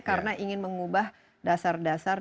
karena ingin mengubah dasar dasar